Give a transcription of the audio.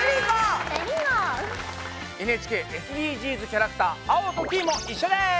ＮＨＫＳＤＧｓキャラクターアオとキイも一緒です！